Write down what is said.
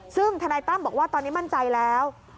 ซึ่งธนายตั้มบอกว่าตอนนี้มั่นใจแล้ว